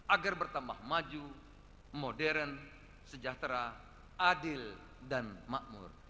agar bertambah maju modern sejahtera adil dan makmur